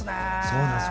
そうなんです。